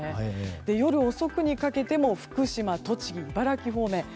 夜遅くにかけても福島、栃木、茨城方面。